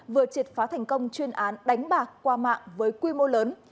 vừa triệt phá thành công chuyên án đánh bạc qua mạng với quy mô lớn